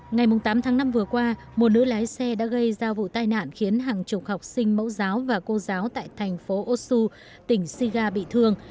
ngày tám tháng năm vừa qua một nữ lái xe đã gây ra vụ tai nạn khiến hàng chục học sinh mẫu giáo và cô giáo tại thành phố otsu tỉnh shiga bị thương